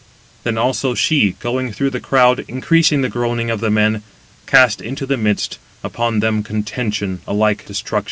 Then also she, going through the crowd, increasing the groaning of the men, cast into the midst upon them contention alike destruction to all.